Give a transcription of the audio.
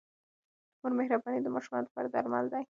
د مور مهرباني د ماشومانو لپاره درمل دی.